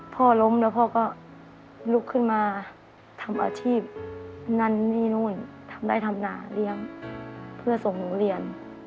พ่อล้มแล้วพ่อก็ลุกขึ้นมาทำอาชีพนั่นนี่นู่นทำได้ทำนาเลี้ยงเพื่อส่งหนูเรียน